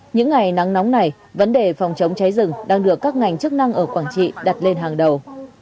những ngày nắng nóng này vấn đề phòng chống cháy rừng đang được các ngành chức năng ở quảng trị đặt lên hàng đầu